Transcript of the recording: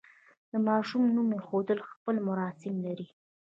د ماشوم نوم ایښودل خپل مراسم لري.